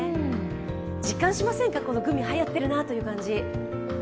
実感しませんか、グミはやってるなという感じ。